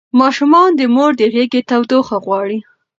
ماشومان د مور د غېږې تودوخه غواړي.